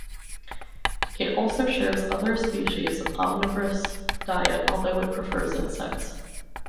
It also shares other species' omnivorous diet, although it prefers insects.